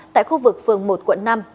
tại khu vực phường một quận năm